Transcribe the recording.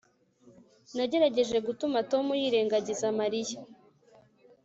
nagerageje gutuma tom yirengagiza mariya